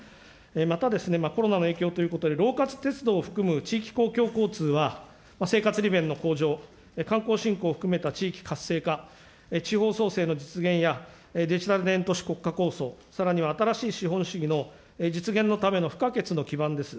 また、コロナの影響ということで、ローカル鉄道を含む地域公共交通は、生活利便の向上、観光振興を含めた地域活性化、地方創生の実現やデジタル田園都市国家構想、さらには新しい資本主義の実現のための不可欠の基盤です。